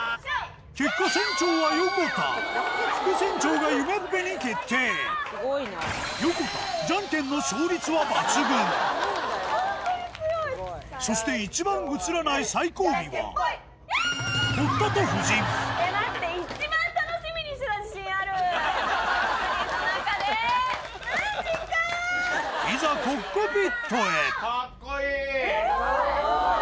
結果船長は横田副船長が夢っぺに決定横田ジャンケンの勝率は抜群そして一番映らない最後尾はいざコックピットへえぇスゴい！